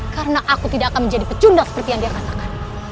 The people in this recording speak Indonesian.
karena aku tidak akan menjadi pecundang seperti yang dikatakan